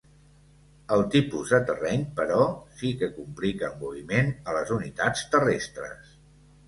El tipus de terreny, però, sí que complica el moviment a les unitats terrestres.